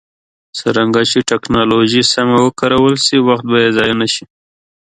څرنګه چې ټکنالوژي سمه وکارول شي، وخت به ضایع نه شي.